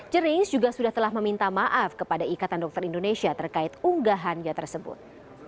jerings juga sudah telah meminta maaf kepada ikatan dokter indonesia terkait unggahannya tersebut